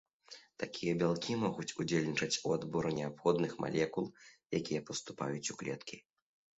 Такія бялкі могуць удзельнічаць у адборы неабходных малекул, якія паступаюць у клеткі.